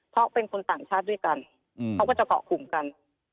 เพราะเป็นคนต่างชาติด้วยกันเขาก็จะเกาะกลุ่มกัน